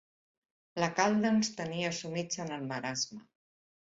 La calda ens tenia sumits en el marasme.